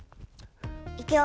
いくよ。